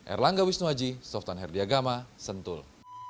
erlangga wisnuaji softan herdiagama sentul